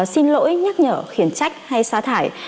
xin lỗi nhắc nhở khiển trách hay xá thải